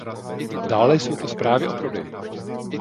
Dále jsou to zprávy o prodeji.